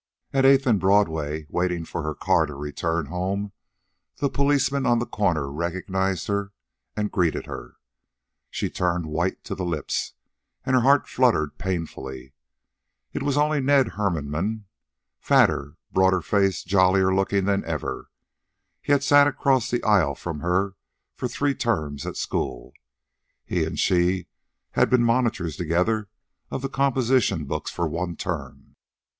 At Eighth and Broadway, waiting for her car to return home, the policeman on the corner recognized her and greeted her. She turned white to the lips, and her heart fluttered painfully. It was only Ned Hermanmann, fatter, broader faced, jollier looking than ever. He had sat across the aisle from her for three terms at school. He and she had been monitors together of the composition books for one term.